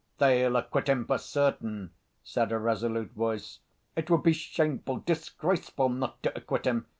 "They'll acquit him for certain," said a resolute voice. "It would be shameful, disgraceful, not to acquit him!"